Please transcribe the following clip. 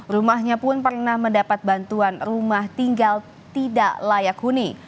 rumahnya pun pernah mendapat bantuan rumah tinggal tidak layak huni